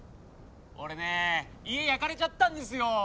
俺ねえ家焼かれちゃったんですよ。